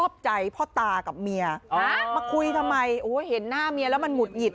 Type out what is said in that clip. ใจพ่อตากับเมียมาคุยทำไมโอ้เห็นหน้าเมียแล้วมันหุดหงิด